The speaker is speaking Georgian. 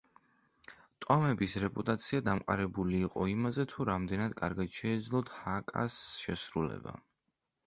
ტომების რეპუტაცია დამყარებული იყო იმაზე, თუ რამდენად კარგად შეეძლოთ ჰაკას შესრულება.